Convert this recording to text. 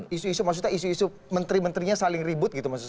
isu isu maksudnya isu isu menteri menterinya saling ribut gitu maksudnya